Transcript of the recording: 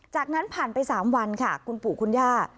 จากนั้นผ่านไป๓วันค่ะคุณปู่คุณย่า